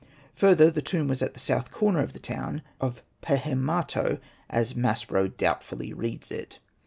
Further, the tomb was at the south corner of the town of Pehemato, as Maspero doubtfully reads it.